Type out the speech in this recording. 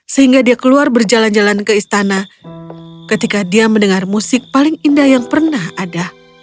sehingga dia keluar berjalan jalan ke istana ketika dia mendengar musik paling indah yang pernah ada